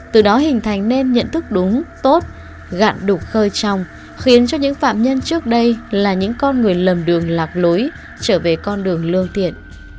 từ đó hình thành nên nhận thức đúng tốt gặn đục khơi trong khiến cho những phạm nhân trước đây là những con người lầm đường lạc lối trở về con đường lương thiện